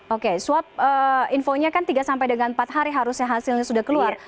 oke swab infonya kan tiga sampai dengan empat hari harusnya hasilnya sudah keluar